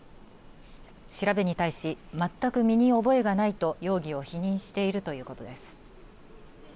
調べに対し全く身に覚えがないと容疑を否認しているということです。